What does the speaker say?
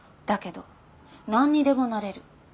だけど何にでもなれる。